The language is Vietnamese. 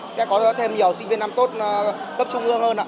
sẽ có thêm nhiều sinh viên năm tốt cấp trung ương hơn